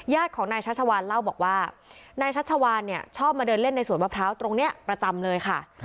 ของนายชัชวานเล่าบอกว่านายชัชวานเนี่ยชอบมาเดินเล่นในสวนมะพร้าวตรงนี้ประจำเลยค่ะ